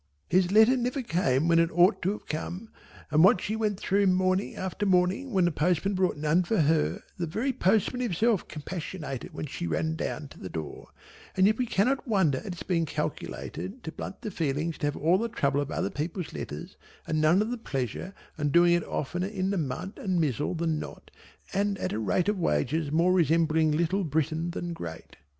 His letter never came when it ought to have come and what she went through morning after morning when the postman brought none for her the very postman himself compassionated when she ran down to the door, and yet we cannot wonder at its being calculated to blunt the feelings to have all the trouble of other people's letters and none of the pleasure and doing it oftener in the mud and mizzle than not and at a rate of wages more resembling Little Britain than Great.